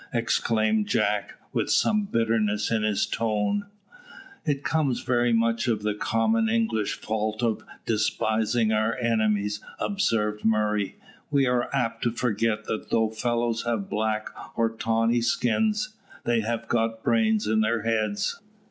exclaimed Jack, with some bitterness in his tone. "It comes very much of the common English fault of despising our enemies," observed Murray. "We are apt to forget that though fellows have black or tawny skins, they have got brains in their heads."